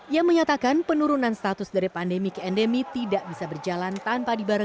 yang menyatakan penurunan status dari pandemi ke endemi tidak bisa berjalan tanpa dibarang